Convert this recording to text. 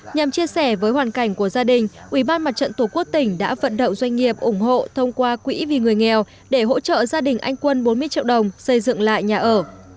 nhằm chia sẻ với hoàn cảnh của gia đình ủy ban mặt trận tổ quốc tỉnh đã vận động doanh nghiệp ủng hộ thông qua quỹ vì người nghèo để hỗ trợ gia đình anh quân bốn mươi triệu đồng xây dựng lại nhà ở